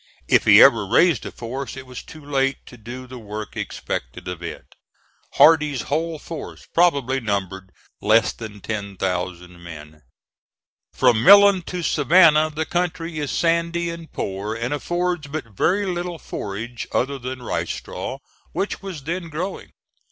If he ever raised a force it was too late to do the work expected of it. Hardee's whole force probably numbered less than ten thousand men. From Millen to Savannah the country is sandy and poor, and affords but very little forage other than rice straw, which was then growing.